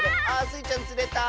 スイちゃんつれた！